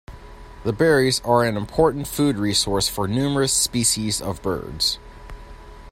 The berries are an important food resource for numerous species of birds.